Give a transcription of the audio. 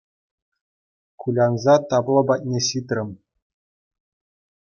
Кулянса табло патне ҫитрӗм.